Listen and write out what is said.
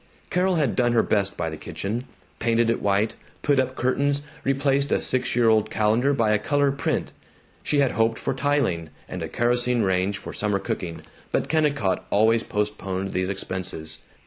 Carol had done her best by the kitchen: painted it white, put up curtains, replaced a six year old calendar by a color print. She had hoped for tiling, and a kerosene range for summer cooking, but Kennicott always postponed these expenses.